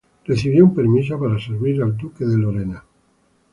Recibió un permiso para servir al duque de Lorena.